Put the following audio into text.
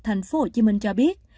thành phố hồ chí minh cho biết